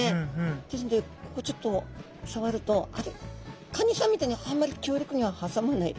ですのでここちょっと触るとカニさんみたいにあんまり強力には挟まない。